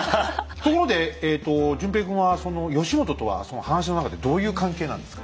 ところでえと淳平君は義元とはその話の中でどういう関係なんですか？